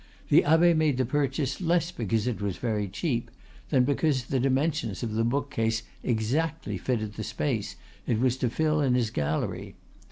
The abbe made the purchase less because it was very cheap than because the dimensions of the bookcase exactly fitted the space it was to fill in his gallery.